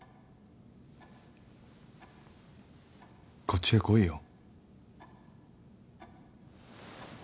こっちへ来いよ。